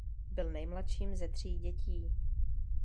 Byl nejmladším ze tří dětí.